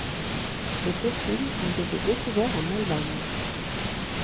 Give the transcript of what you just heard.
Ses fossiles ont été découverts en Allemagne.